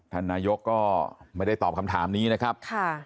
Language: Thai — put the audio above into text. ท่านนายกก็ไม่ได้ตอบคำถามนี้นะครับ